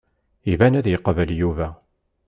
Iban ad yeqbel Yuba.